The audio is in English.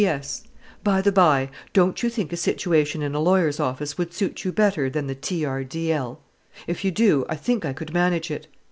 "P.S. By the bye, don't you think a situation in a lawyer's office would suit you better than the T. R. D. L.? If you do, I think I could manage it.